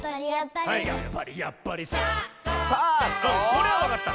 これはわかった。